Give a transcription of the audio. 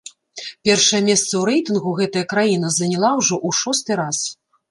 Першае месца ў рэйтынгу гэтая краіна заняла ўжо ў шосты раз.